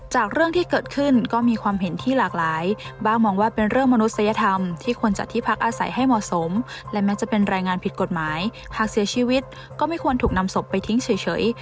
เรื่องที่เกิดขึ้นก็มีความเห็นที่หลากหลายบ้างมองว่าเป็นเรื่องมนุษยธรรมที่ควรจัดที่พักอาศัยให้เหมาะสมและแม้จะเป็นรายงานผิดกฎหมายหากเสียชีวิตก็ไม่ควรถูกนำศพไปทิ้งเฉย